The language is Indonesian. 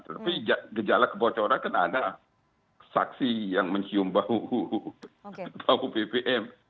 tapi gejala kebocoran kan ada saksi yang mencium bau atau bpm